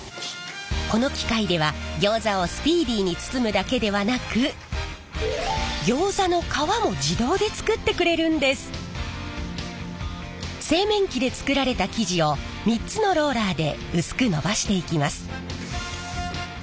この機械ではギョーザをスピーディーに包むだけではなく製麺機で作られた生地を３つのローラーで薄くのばしていきます。